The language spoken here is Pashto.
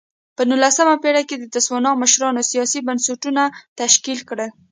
په نولسمه پېړۍ کې د تسوانا مشرانو سیاسي بنسټونه تشکیل کړل.